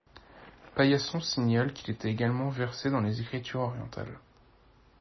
Paillasson signale qu'il était également versé dans les écritures orientales.